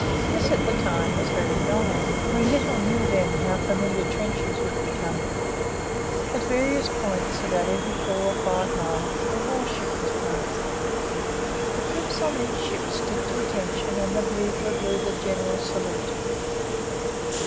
This at the time was very novel we little knew then how familiar trenches would become. At various points about every four or five miles a warship was passed. The troops on each ship stood to attention and the bugler blew the general salute.